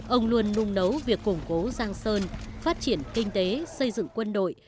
ông luôn nung đấu việc cổng cố giang sơn phát triển kinh tế xây dựng quân đội